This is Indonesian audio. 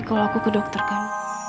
kalau aku kedokterkan